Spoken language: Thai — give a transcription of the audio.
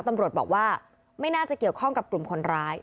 ตำรวจบอกว่าไม่น่าจะเกี่ยวข้องกับกลุ่มคนร้าย